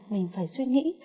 mình phải suy nghĩ